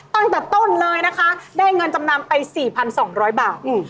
ตั้งแต่ต้นเลยนะคะได้เงินจำนำไป๔๒๐๐บาท